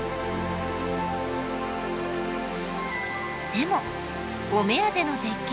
でもお目当ての絶景